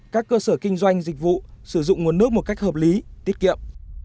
các cơ sở kinh doanh dịch vụ sử dụng nguồn nước một cách hợp lý tiết kiệm